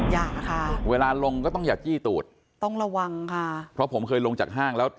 อย่าค่ะเวลาลงก็ต้องอย่าจี้ตูดต้องระวังค่ะเพราะผมเคยลงจากห้างแล้ว